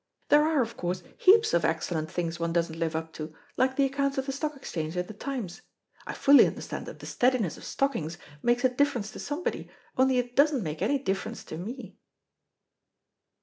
There are, of course, heaps of excellent things one doesn't live up to, like the accounts of the Stock Exchange in the Times. I fully understand that the steadiness of stockings makes a difference to somebody, only it doesn't make any difference to me."